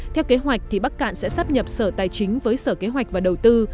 theo kế hoạch thì bắc cạn sẽ sắp nhập sở tài chính với sở kế hoạch và đầu tư